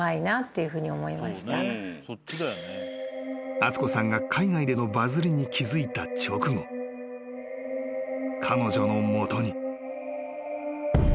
［敦子さんが海外でのバズリに気付いた直後彼女の元に］